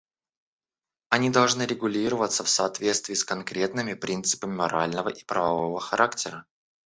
Они должны регулироваться в соответствии с конкретными принципами морального и правового характера.